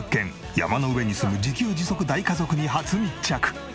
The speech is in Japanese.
山の上に住む自給自足大家族に初密着。